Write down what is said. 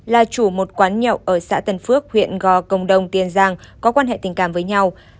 là chủ một quán nhậu ở xã tân phước huyện gò công đông tiền giang có quan hệ tình cảm với nhau